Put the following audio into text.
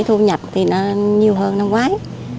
thu nhập thì nó nhiều hơn năm ngoái